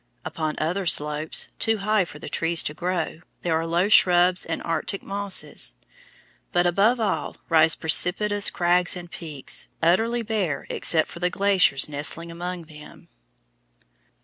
Upon other slopes, too high for the trees to grow, there are low shrubs and arctic mosses; but above all rise precipitous crags and peaks, utterly bare except for the glaciers nestling among them.